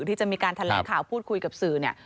ที่จะมีการแถลงข่าวพูดคุยกับสื่อเนี่ย